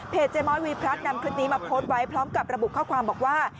เจม้อยวีพลัสนำคลิปนี้มาโพสต์ไว้พร้อมกับระบุข้อความบอกว่า